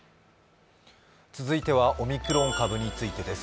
続いてはオミクロン株についてです。